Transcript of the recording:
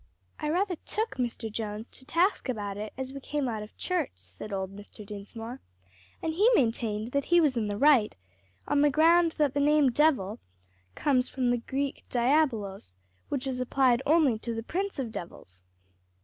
"I rather took Mr. Jones to task about it as we came out of church," said old Mr. Dinsmore, "and he maintained that he was in the right on the ground that the name devil comes from the Greek Diabolos, which is applied only to the prince of the devils."